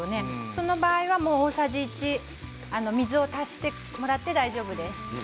その場合は大さじ１水を足していただいて大丈夫です。